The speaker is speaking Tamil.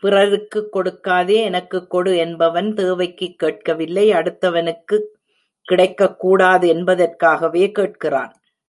பிறருக்குக் கொடுக்காதே எனக்குக் கொடு என்பவன், தேவைக்குக் கேட்கவில்லை, அடுத்தவனுக்குக் கிடைக்கக் கூடாது என்பதற்காகவே கேட்கிறான்.